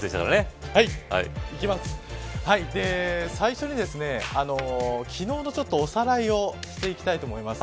最初に、昨日のおさらいをしていきたいと思います。